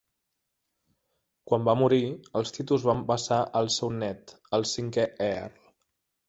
Quan va morir, els títols van passar al seu nét, el cinquè Earl.